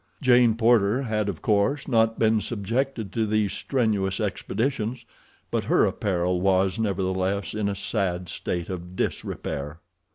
Jane Porter had of course not been subjected to these strenuous expeditions, but her apparel was, nevertheless, in a sad state of disrepair.